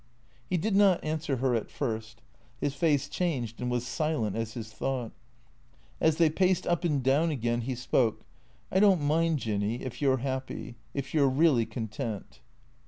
He did not answer her at first. His face changed and was silent as his thought. As they paced up and down again he spokci " I don't mind, Jinny ; if you 're happy ; if you 're really con tent."